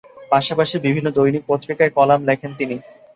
পাশাপাশি বিভিন্ন দৈনিক পত্রিকায় কলাম লেখেন তিনি।